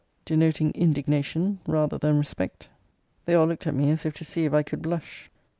denoting indignation rather than respect. They all looked at me as if to see if I could blush.